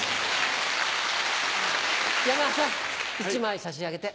山田さん１枚差し上げて。